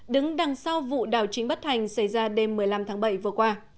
đứng đằng sau vụ đảo chính bất thành xảy ra đêm một mươi năm tháng bảy vừa qua